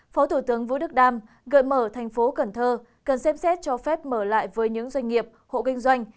phó thủ tướng vũ đức đam gợi mở thành phố cần thơ cần xem xét cho phép mở lại với những doanh nghiệp hộ kinh doanh